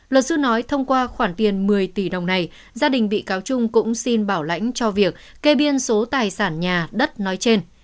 luật sư nói thông qua khoản tiền một mươi tỷ đồng này gia đình bị cáo trung cũng xin bảo lãnh cho việc kê biên số tài sản nhà đất nói trên